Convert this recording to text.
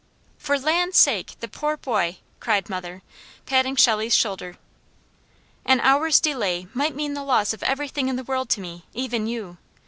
'" "For land's sake! The poor boy!" cried mother, patting Shelley's shoulder. "'An hour's delay might mean the loss of everything in the world to me, even you.